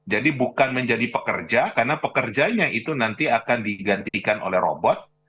bukan menjadi pekerja karena pekerjanya itu nanti akan digantikan oleh robot